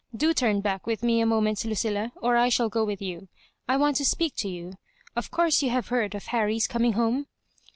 Do tum back with me a moment, Lu^iHa ; or I shall go with you. I want to speak to you. Of course you have heard of Harry's coming home?"